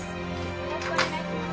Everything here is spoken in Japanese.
よろしくお願いします。